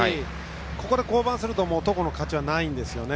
ここで降板すると戸郷の勝ちがないんですよね。